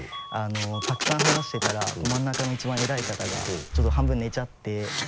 たくさん話してたら真ん中の一番偉い方がちょっと半分寝ちゃって。